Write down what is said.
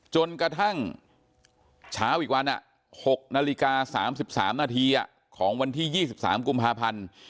จนกระทั่งเช้าอีกวัน๖นาฬิกา๓๓นาทีของวันที่๒๓กุมภาพันธ์